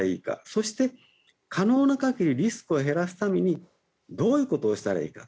そして可能な限りリスクを減らすためにどういうことをしたらいいか。